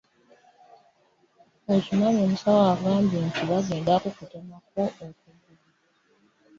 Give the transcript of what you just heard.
Okimanyi nti musawo agambye bagenda kukutemako okuggulu.